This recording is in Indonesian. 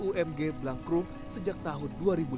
umg blank room sejak tahun dua ribu lima belas